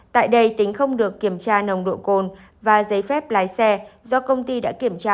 tại đây tính không được kiểm tra nồng độ cồn và giấy phép lái xe do công ty đã kiểm tra